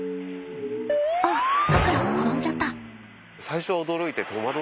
あっさくら転んじゃった。